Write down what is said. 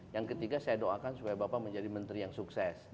yang ketiga saya doakan supaya bapak menjadi menteri yang sukses